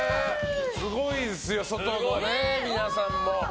すごいですよ、外の皆さんも。